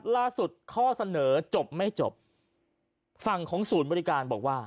ข้อเสนอจบไม่จบฝั่งของศูนย์บริการบอกว่า